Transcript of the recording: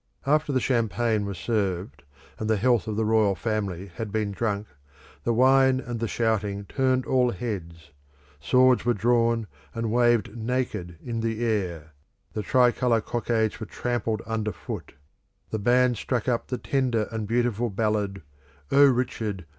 After the champagne was served, and the health of the royal family had been drunk, the wine and the shouting turned all heads; swords were drawn and waved naked in the air: the tricolour cockades were trampled under foot; the band struck up the tender and beautiful ballad, "O Richard!